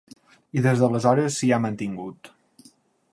I des d’aleshores s’hi ha mantingut.